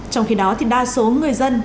trong khi đó thì đa số người dân